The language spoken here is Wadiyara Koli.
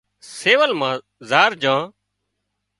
سول مان زار جھان